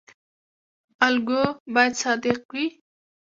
الګو باید صادق وي